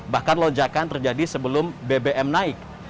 bahkan lonjakan terjadi sebelum bbm naik